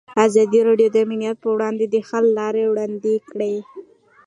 ازادي راډیو د امنیت پر وړاندې د حل لارې وړاندې کړي.